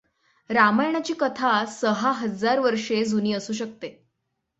रामायणाची कथा सहा हजार वर्षे जुनी असू शकते.